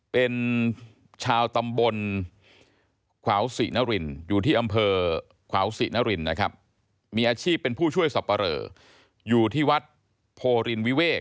เป็นชาวตำบลขวาวสิรินทร์นะครับอยู่ที่อำเภอขวาวสิรินทร์นะครับ